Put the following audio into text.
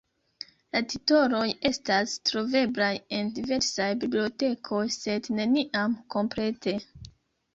La titoloj estas troveblaj en diversaj bibliotekoj, sed neniam komplete.